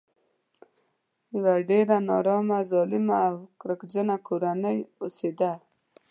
یوه ډېره نارامه ظالمه او کرکجنه کورنۍ اوسېده.